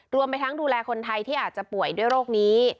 รวมไปทั้งดูแลคนไทยที่อาจจะป่วยด้วยโรคนี้